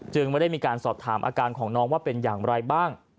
ไม่ได้มีการสอบถามอาการของน้องว่าเป็นอย่างไรบ้าง